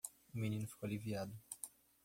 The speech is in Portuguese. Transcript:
O menino ficou aliviado.